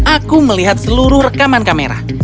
aku melihat seluruh rekaman kamera